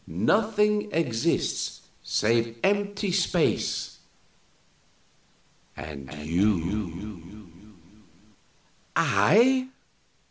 _Nothing exists save empty space and you!